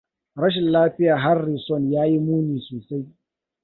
Rashin lafiyar Harrison ya yi muni sosai.